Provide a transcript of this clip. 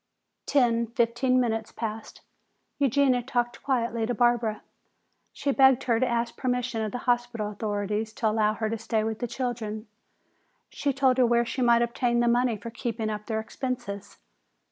Ten, fifteen minutes passed. Eugenia talked quietly to Barbara. She begged her to ask permission of the hospital authorities to allow her to stay with the children. She told her where she might obtain the money for keeping up their expenses.